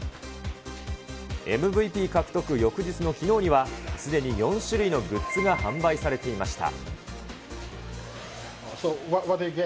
ＭＶＰ獲得の翌日のきのうには、すでに４種類のグッズが販売されていました。